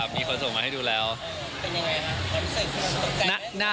เป็นอย่างไรนะ